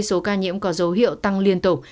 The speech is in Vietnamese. số ca nhiễm có dấu hiệu tăng liên tục